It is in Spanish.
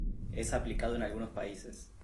Es aplicado en algunos países.